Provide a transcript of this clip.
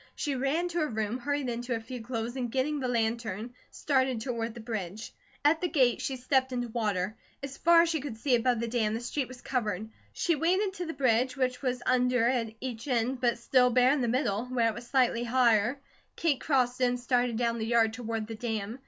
She ran to her room, hurried into a few clothes, and getting the lantern, started toward the bridge. At the gate she stepped into water. As far as she could see above the dam the street was covered. She waded to the bridge, which was under at each end but still bare in the middle, where it was slightly higher. Kate crossed it and started down the yard toward the dam.